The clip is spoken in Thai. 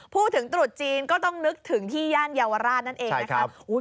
ตรุษจีนก็ต้องนึกถึงที่ย่านเยาวราชนั่นเองนะครับ